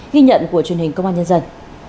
ghi nhận của truyền hình công an nhân dân